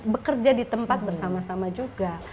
bekerja di tempat bersama sama juga